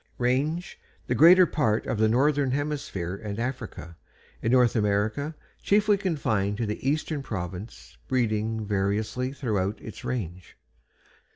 RANGE The greater part of the northern hemisphere and Africa. In North America chiefly confined to the eastern province, breeding variously throughout its range.